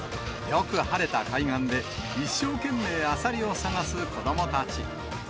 よく晴れた海岸で、一生懸命アサリを探す子どもたち。